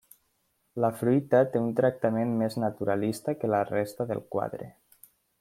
La fruita té un tractament més naturalista que la resta del quadre.